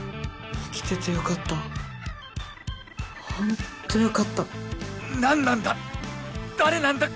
生きててよかったホントよかった何なんだ誰なんだ